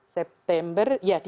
september ya di dua ribu